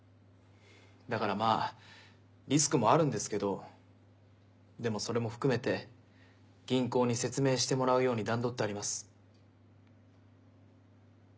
だからまぁリスクもあるんですけどでもそれも含めて銀行に説明してもらうように段取ってあります。